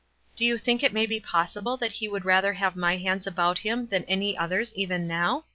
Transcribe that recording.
"Do you think it may be possible that ho would rather have my hands about him than any others even now?"